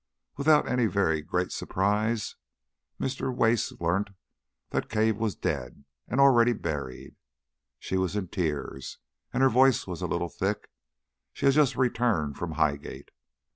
Without any very great surprise Mr. Wace learnt that Cave was dead and already buried. She was in tears, and her voice was a little thick. She had just returned from Highgate.